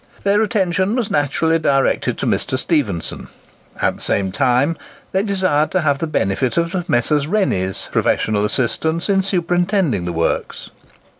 Their attention was naturally directed to Mr. Stephenson; at the same time they desired to have the benefit of the Messrs. Rennie's professional assistance in superintending the works.